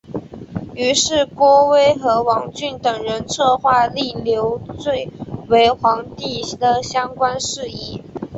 于是郭威和王峻等人策划立刘赟为皇帝的相关事宜。